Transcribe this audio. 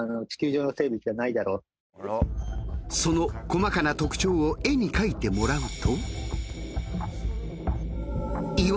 その細かな特徴を絵に描いてもらうと。